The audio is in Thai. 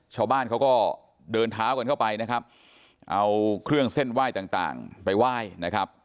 ชาวบ้านเขาก็เดินเท้ากันเข้าไปนะครับเอาเครื่องเส้นไหว้ต่างไปไหว้นะครับ